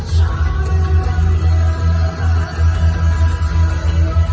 กลับไปกลับไป